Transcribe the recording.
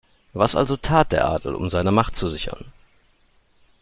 Was also tat der Adel, um seine Macht zu sichern?